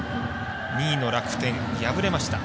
２位の楽天、敗れました。